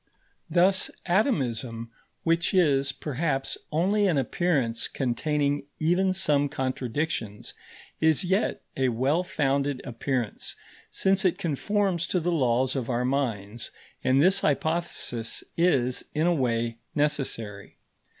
Thus atomism, which is, perhaps, only an appearance containing even some contradictions, is yet a well founded appearance, since it conforms to the laws of our minds; and this hypothesis is, in a way, necessary.